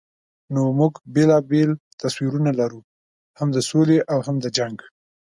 نو موږ بېلابېل تصویرونه لرو، هم د سولې او هم د جنګ.